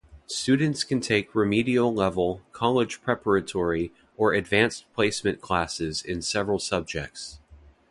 Students can take remedial level, college preparatory, or Advanced Placement classes in several subjects.